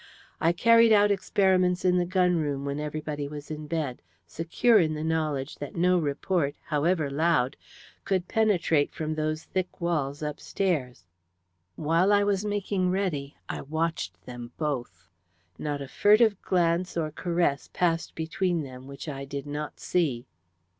I carried out experiments in the gun room when everybody was in bed, secure in the knowledge that no report, however loud, could penetrate from those thick walls upstairs. While I was making ready I watched them both. Not a furtive glance or caress passed between them which I did not see.